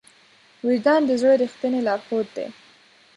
وجدان د زړه ریښتینی لارښود دی.